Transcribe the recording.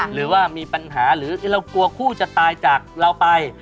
หรือว่ามีปัญหาหรือเรากลัวคู่จะตายจากเราไป